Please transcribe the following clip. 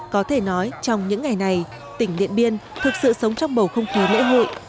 có thể nói trong những ngày này tỉnh điện biên thực sự sống trong bầu không khí lễ hội